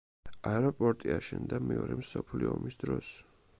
აეროპორტი აშენდა მეორე მსოფლიო ომის დროს.